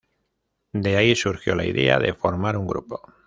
De ahí surgió la idea de formar un grupo.